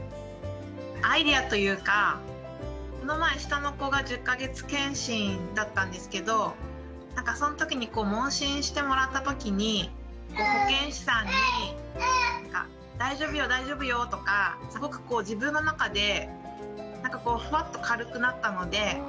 アイデアというかこの前下の子が１０か月健診だったんですけどなんかその時に問診してもらった時に保健師さんに「大丈夫よ大丈夫よ」とかすごく自分の中でふわっと軽くなったので。